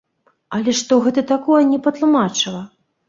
Але што гэта такое, не патлумачыла.